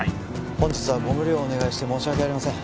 本日はご無理をお願いして申し訳ありません